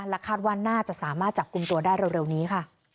และคาดว่าน่าจะสามารถจับกลุ่มตัวได้เร็วนี้ค่ะ